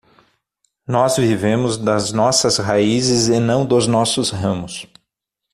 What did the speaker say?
Nós vivemos das nossas raízes e não dos nossos ramos.